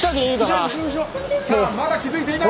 まだ気づいていない！